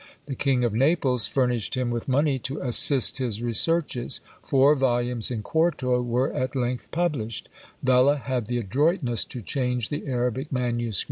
The King of Naples furnished him with money to assist his researches. Four volumes in quarto were at length published! Vella had the adroitness to change the Arabic MSS.